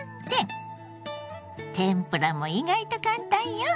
天ぷらも意外と簡単よ。